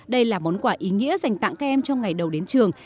đây là món quà ý nghĩa dành tặng các em trong ngày đầu đến trường